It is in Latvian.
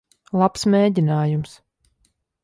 Labs mēģinājums.